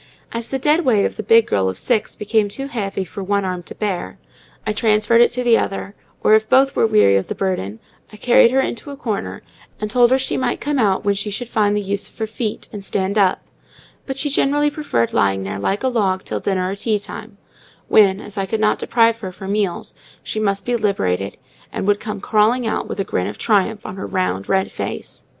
As the dead weight of the big girl of six became too heavy for one arm to bear, I transferred it to the other; or, if both were weary of the burden, I carried her into a corner, and told her she might come out when she should find the use of her feet, and stand up: but she generally preferred lying there like a log till dinner or tea time, when, as I could not deprive her of her meals, she must be liberated, and would come crawling out with a grin of triumph on her round, red face.